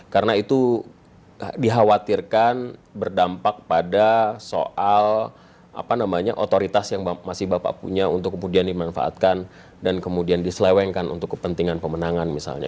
karena itu dikhawatirkan berdampak pada soal otoritas yang masih bapak punya untuk kemudian dimanfaatkan dan kemudian diselewengkan untuk kepentingan pemenangan misalnya